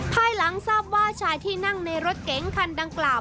ภายหลังทราบว่าชายที่นั่งในรถเก๋งคันดังกล่าว